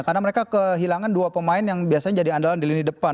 karena mereka kehilangan dua pemain yang biasanya jadi andalan di lini depan